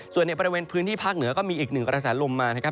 ส่วนในบริเวณพื้นที่ภาคเหนือก็มีอีกหนึ่งกระแสลมมานะครับ